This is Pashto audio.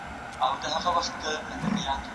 لیکل شوی راپور مهم معلومات لري.